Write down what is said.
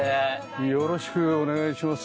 よろしくお願いします。